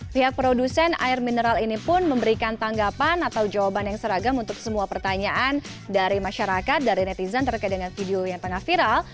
pihak produsen air mineral ini pun memberikan tanggapan atau jawaban yang seragam untuk semua pertanyaan dari masyarakat dari netizen terkait dengan video yang tengah viral